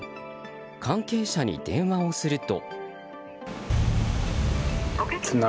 関係者に電話をすると。